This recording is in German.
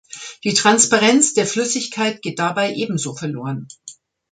Die Transparenz der Flüssigkeit geht dabei ebenso verloren.